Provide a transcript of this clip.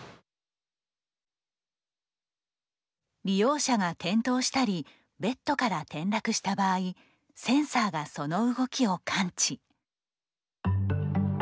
利用者が転倒したりベッドから転落した場合センサーがその動きを感知。